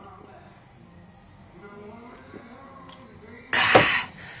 ああ。